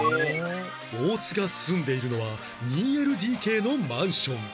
大津が住んでいるのは ２ＬＤＫ のマンション